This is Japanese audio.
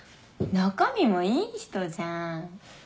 中身もいい人じゃん。